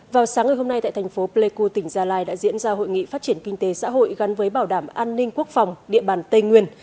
vào sáng ngày hôm nay tại thành phố pleiku tỉnh gia lai đã diễn ra hội nghị phát triển kinh tế xã hội gắn với bảo đảm an ninh quốc phòng địa bàn tây nguyên